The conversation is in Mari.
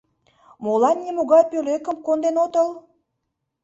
Молан нимогай пӧлекым конден отыл?